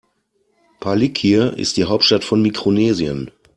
Palikir ist die Hauptstadt von Mikronesien.